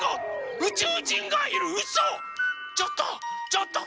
ちょっと！